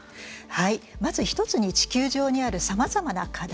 まず１つに地球上にあるさまざまな課題